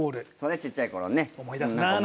ちっちゃいころね。